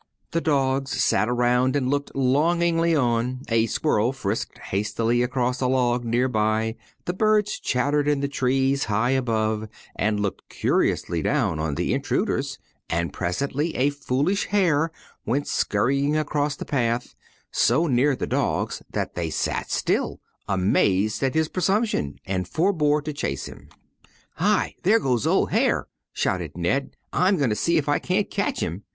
The dogs sat around and looked longingly on, a squirrel frisked hastily across a log near by, the birds chattered in the trees high above and looked curiously down on the intruders, and presently a foolish hare went scurrying across the path, so near the dogs that they sat still, amazed at his presumption, and forbore to chase him. "Hi! there goes 'ol' Hyar'!'" shouted Ned; "I'm going to see if I can't catch him."